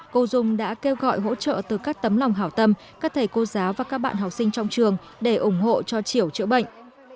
cô dung đã kêu gọi hỗ trợ từ các tấm lòng hảo tâm các thầy cô giáo và các bạn học sinh trong trường để ủng hộ cho triểu chữa bệnh